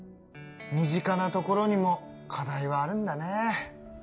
身近なところにも課題はあるんだね。